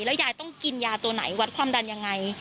ยายต้องกินยาตัวไหนวัดความดันยังไง